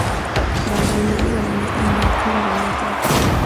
بادي انرژي د افغانستان د اقلیم ځانګړتیا ده.